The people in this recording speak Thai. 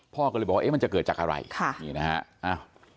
พ่อก็เลยบอกว่ามันจะเกิดจากอะไรค่ะนี่นะฮะอ้าว